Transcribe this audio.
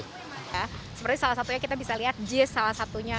seperti salah satunya kita bisa lihat jis salah satunya